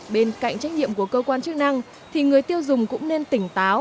bên cạnh trách nhiệm của cơ quan chức năng thì người tiêu dùng cũng nên tỉnh táo